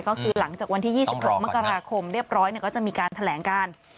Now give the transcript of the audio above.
ก็คือหลังจากวันที่๒๖มกราคมเรียบร้อยก็จะมีการแถลงการ